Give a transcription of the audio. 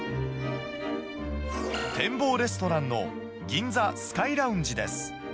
展望レストランの銀座スカイラウンジです。